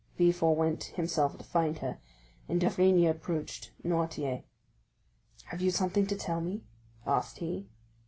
Villefort went himself to find her; and d'Avrigny approached Noirtier. "Have you something to tell me?" asked he.